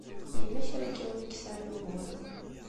Yella kra n yiwen i yesɛan uguren.